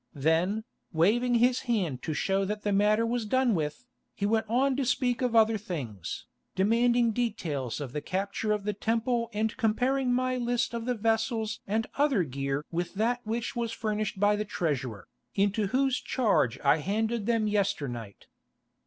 Then, waving his hand to show that the matter was done with, he went on to speak of other things, demanding details of the capture of the Temple and comparing my list of the vessels and other gear with that which was furnished by the treasurer, into whose charge I handed them yesternight.